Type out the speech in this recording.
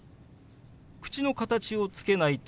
口の形をつけないと。